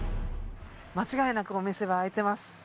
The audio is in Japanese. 間違いなくお店は開いてます。